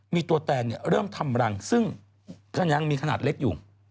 มีตัวแตนเริ่มทำรังซึ่งก็ยังมีขนาดเล็กอยู่